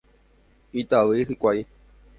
Itavy hikuái.